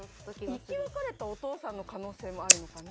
生き別れたお父さんの可能性もあるのかな。